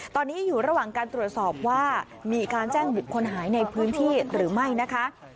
ตอนนี้อยู่ระหว่างการตรวจสอบว่ามีการแจ้งบุคคลหายในพื้นที่หรือไม่นะคะ